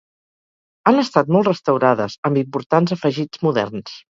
Han estat molt restaurades, amb importants afegits moderns.